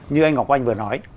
như anh ngọc oanh vừa nói